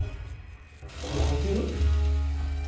壊れてる？